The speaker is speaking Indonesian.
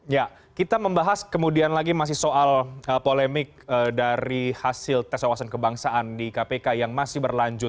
ya kita membahas kemudian lagi masih soal polemik dari hasil tes awasan kebangsaan di kpk yang masih berlanjut